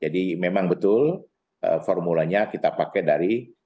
jadi memang betul formulanya kita pakai dari